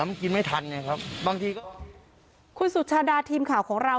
มันกินไม่ทันไงครับบางทีก็คุณสุชาดาทีมข่าวของเรา